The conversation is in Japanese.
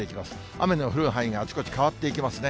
雨の降る範囲があちこち変わっていきますね。